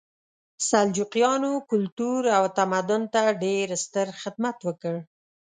سلجوقیانو کلتور او تمدن ته ډېر ستر خدمت وکړ.